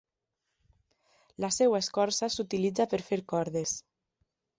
La seva escorça s'utilitza per fer cordes.